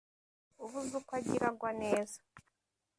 ubuze uko agira agwa neza